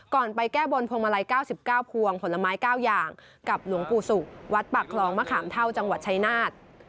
ไปแก้บนพวงมาลัย๙๙พวงผลไม้๙อย่างกับหลวงปู่ศุกร์วัดปากคลองมะขามเท่าจังหวัดชายนาฏ